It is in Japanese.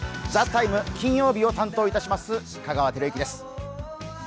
「ＴＨＥＴＩＭＥ，」、金曜日を担当いたします、香川照之です。